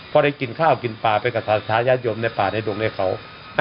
พอได้กินข้าวกินป่าไปกับศาสตร์ยาชยมในป่าในดวงในเขาอ่ะ